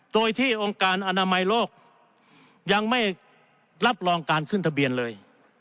โดยที่องค์การอนามัยโลกยังไม่รับรองการขึ้นทะเบียนเลย